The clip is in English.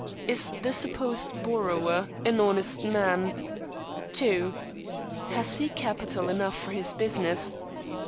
Is the supposed borrower an honest man? 2. Has he capital enough for his business?